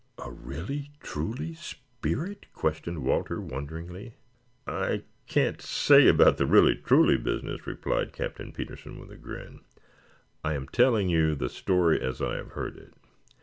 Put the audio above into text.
"A really, truly spirit?" questioned Walter wonderingly. "I can't say about the really truly business," replied Captain Petersen, with a grin. "I am telling you the story as I have heard it.